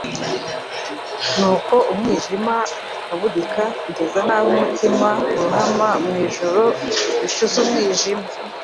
Nuko umwijima ukabudika kugeza n'aho umutima urohama mu ijoro ricuze umwijima.